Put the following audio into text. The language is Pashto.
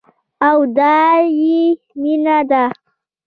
او دايې مينه ده.